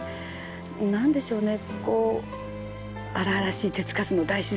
何でしょうね